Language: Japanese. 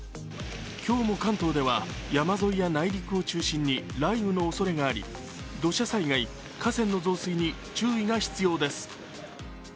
今日も関東では山沿いや内陸を中心に雷雨のおそれがあり土砂災害、河川の増水に注意が必要です。